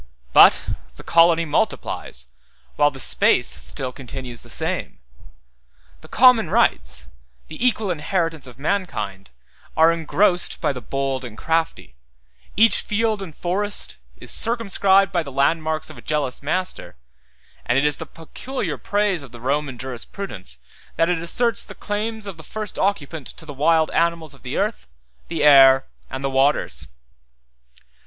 But the colony multiplies, while the space still continues the same; the common rights, the equal inheritance of mankind, are engrossed by the bold and crafty; each field and forest is circumscribed by the landmarks of a jealous master; and it is the peculiar praise of the Roman jurisprudence, that it asserts the claim of the first occupant to the wild animals of the earth, the air, and the waters.